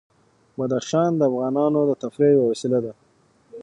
بدخشان د افغانانو د تفریح یوه وسیله ده.